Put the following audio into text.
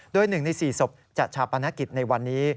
โดย๑ใน๔ศพจะชาปนกิจในวันนี้